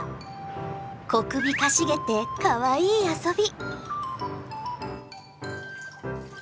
小首かしげてかわいい遊び。